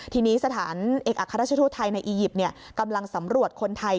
ทีนี้สถานเอกอัครราชทูตไทยในอียิปต์กำลังสำรวจคนไทย